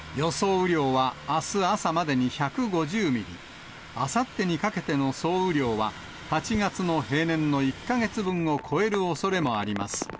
雨量はあす朝までに１５０ミリ、あさってにかけての総雨量は８月の平年の１か月分を超えるおそれもあります。